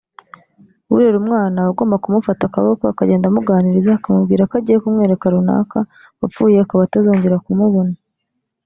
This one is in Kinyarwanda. urera umwana aba agomba kumufata akaboko akagenda amuganiriza akamubwira ko agiye kumwereka runaka wapfuye akaba atazongera kumubona